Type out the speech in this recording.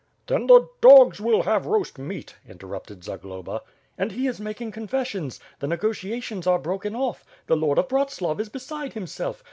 ..." "Then the dogs will have roast meat, interrupted Zagloba. "And he is making confessions. The negotiations are broken off. The Lord of Bratslav is beside himself.